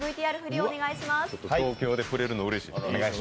東京で振れるのうれしい。